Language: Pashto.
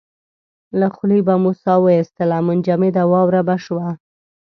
له خولې به مو ساه واېستله منجمده واوره به شوه.